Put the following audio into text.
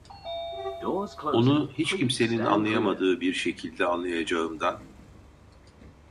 Onu hiç kimsenin anlayamadığı bir şekilde anlayacağımdan.